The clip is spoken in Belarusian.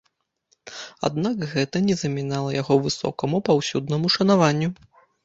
Аднак гэта не замінала яго высокаму паўсюднаму шанаванню.